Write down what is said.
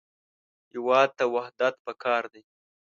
هېواد ته وحدت پکار دی